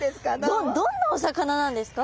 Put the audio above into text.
どんなお魚なんですか？